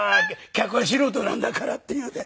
客は素人なんだから」っていうね。